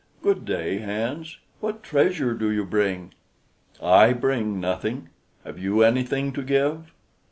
"Good day, Hans. What treasure do you bring?" "I bring nothing. Have you anything to give?"